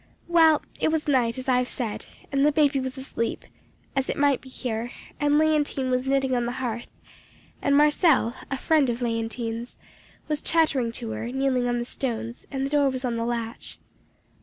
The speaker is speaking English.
"Well, it was night, as I have said, and the baby was asleep, as it might be here, and Léontine was knitting on the hearth, and Marcelle, a friend of Léontine's, was chattering to her, kneeling on the stones, and the door was on the latch.